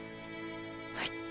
はい。